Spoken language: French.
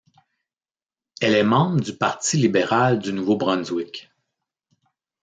Elle est membre du Parti libéral du Nouveau-Brunswick.